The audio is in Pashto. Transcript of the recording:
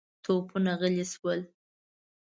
توپونه غلي شول.